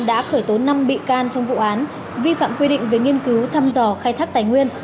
đã khởi tố năm bị can trong vụ án vi phạm quy định về nghiên cứu thăm dò khai thác tài nguyên